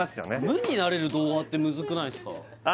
無になれる動画ってムズくないすか？